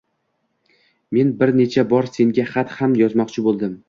Men bir necha bor senga xat ham yozmoqchi boʻldim.